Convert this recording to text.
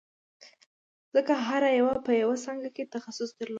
ځکه هر یوه په یوه څانګه کې تخصص درلود